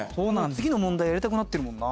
次の問題やりたくなってるもんな。